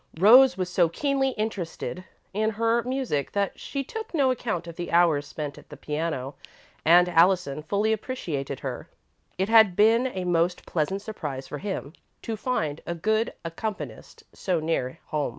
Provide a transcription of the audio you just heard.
Rose was so keenly interested in her music that she took no count of the hours spent at the piano, and Allison fully appreciated her. It had been a most pleasant surprise for him to find a good accompanist so near home.